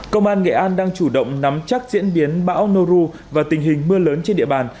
công an nghệ an đang chủ động nắm chắc diễn biến bão noru và tình hình mưa lớn trên địa bàn